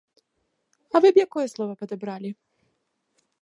А вы б якое слова падабралі?